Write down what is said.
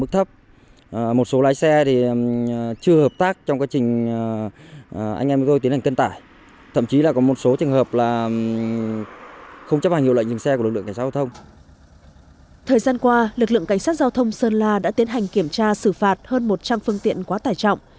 thời gian qua lực lượng cảnh sát giao thông sơn la đã tiến hành kiểm tra xử phạt hơn một trăm linh phương tiện quá tải trọng